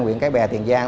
nguyện cái bè tiền giang